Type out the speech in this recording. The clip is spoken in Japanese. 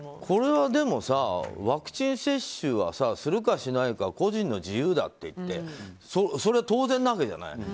これはでもワクチン接種はするかしないか個人の自由ってそれは当然なわけじゃない。